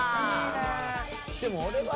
でも俺は。